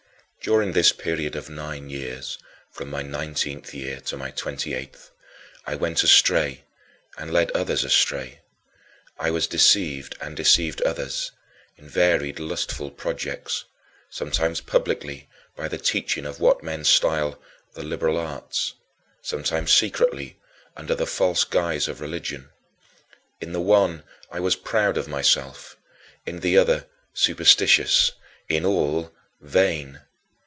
During this period of nine years, from my nineteenth year to my twenty eighth, I went astray and led others astray. I was deceived and deceived others, in varied lustful projects sometimes publicly, by the teaching of what men style "the liberal arts"; sometimes secretly, under the false guise of religion. In the one, I was proud of myself; in the other, superstitious; in all, vain!